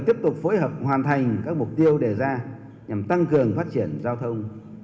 hiệu quả hội nhập an toàn và bền vững khu vực asean